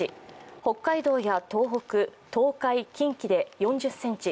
北海道や東北、東海、近畿で４０ｃｍ